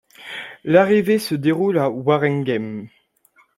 L'arrivée se déroule à Waregem.